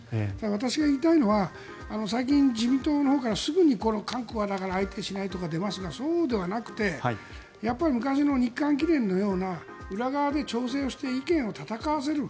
私が言いたいのは最近、自民党のほうからすぐに韓国は相手しないとか出ますがそうではなくて昔の日韓議連のような裏側で調整して意見を戦わせる。